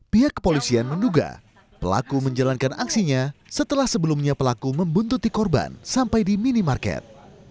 pihak kepolisian menduga pelaku menjalankan aksinya setelah sebelumnya pelaku membuntuti korban sampai di minimarket